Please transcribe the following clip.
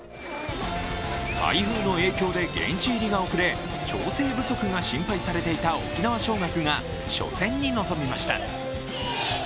台風の影響で現地入りが遅れ調整不足が心配された沖縄尚学が初戦に臨みました。